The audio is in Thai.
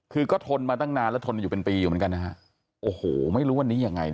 คือก็ทนมาตั้งนานแล้วทนอยู่เป็นปีอยู่เหมือนกันนะฮะโอ้โหไม่รู้วันนี้ยังไงนะ